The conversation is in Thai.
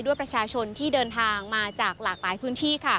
ด้วยประชาชนที่เดินทางมาจากหลากหลายพื้นที่